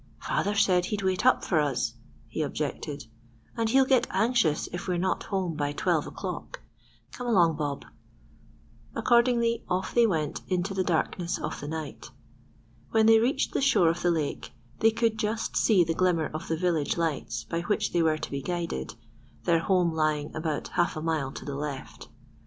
"Father said he'd wait up for us," he objected, "and he'll get anxious if we're not home by twelve o'clock.—Come along, Bob." Accordingly, off they went into the darkness of the night. When they reached the shore of the lake, they could just see the glimmer of the village lights by which they were to be guided—their home lying about half a mile to the left.